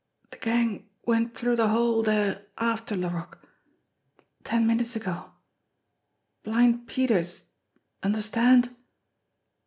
"De gang went through de hole dere after Laroque ten minutes ago Blind Peter's understand